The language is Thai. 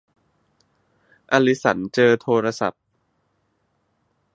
อลิสันเจอโทรศัพท์